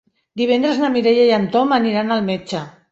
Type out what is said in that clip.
Divendres na Mireia i en Tom aniran al metge.